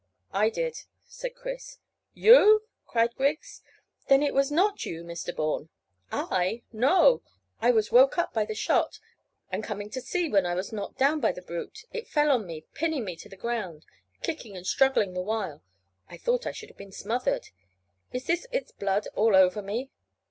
"I did," said Chris. "You?" cried Griggs. "Then it was not you, Mr Bourne?" "I? No! I was woke up by the shot, and coming to see, when I was knocked down by the brute. It fell on me, pinning me to the ground, kicking and struggling the while. I thought I should have been smothered. Is this its blood all over me?"